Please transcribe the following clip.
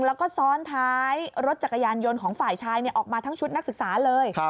แล้วก็ซ้อนท้ายรถจักรยานยนต์ของฝ่ายชายออกมาทั้งชุดนักศึกษาเลย